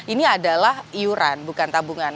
ini adalah iuran bukan tabungan